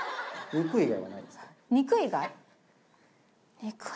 肉以外？